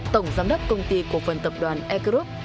tổng giám đốc công ty cổ phần tập đoàn e group